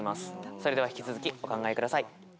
それでは引き続きお考えください。